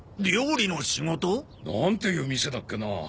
料理の仕事？なんていう店だっけな。